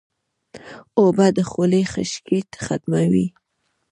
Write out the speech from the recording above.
اوبه د خولې خشکي ختموي